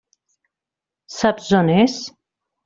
Saps on és?